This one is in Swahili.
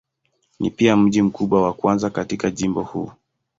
Ni pia mji mkubwa wa kwanza katika jimbo huu.